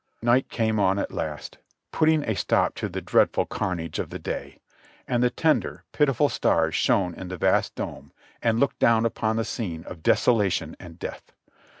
Night came on at last, putting a stop to the dreadful carnage of the day, and the tender, pitiful stars shone in the vast dome and looked down upon the scene of desolation and death.